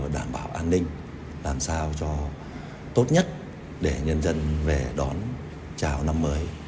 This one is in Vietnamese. đảm bảo an ninh làm sao cho tốt nhất để nhân dân về đón chào năm mới